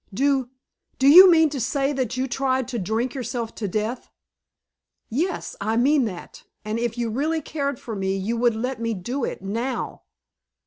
"Do do you mean to say that you tried to drink yourself to death?" "Yes, I mean that. And if you really cared for me you would let me do it now."